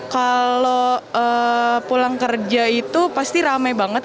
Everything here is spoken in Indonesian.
kalau pulang kerja itu pasti rame banget